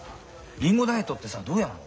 リンゴダイエットってさどうやるの？